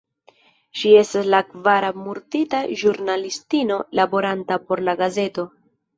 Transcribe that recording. Ŝi estas la kvara murdita ĵurnalistino laboranta por la gazeto.